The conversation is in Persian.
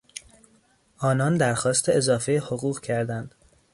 آنان درخواست اضافه حقوق کردهاند.